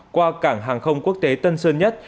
qua cảng hàng không quốc tế tân sơn nhất